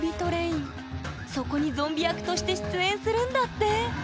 そこにゾンビ役として出演するんだって！